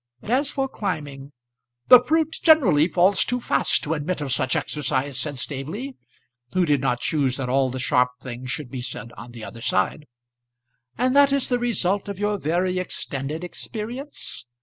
As for climbing " "The fruit generally falls too fast to admit of such exercise," said Staveley, who did not choose that all the sharp things should be said on the other side. "And that is the result of your very extended experience?